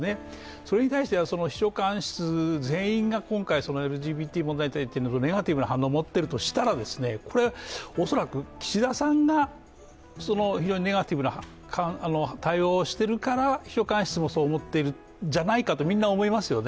それに対して秘書官室全員が今回ＬＧＢＴ問題に対してネガティブな反応を持っているとしたら恐らく岸田さんが非常にネガティブな対応をしているから、秘書官室もそう思っているんじゃないかと、みんな思いますよね。